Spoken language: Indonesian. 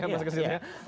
pak abar sudah siap